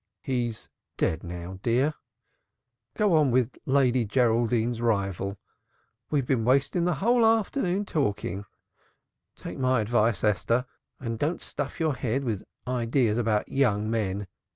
"He's dead now. Go on with 'Lady Ann's Rival;' we've been wasting the whole afternoon talking. Take my advice, Esther, and don't stuff your head with ideas about young men.